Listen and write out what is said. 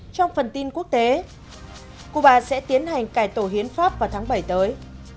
trong phần tin quốc tế cuba sẽ tiến hành cải tổ hiến pháp vào tháng bảy tới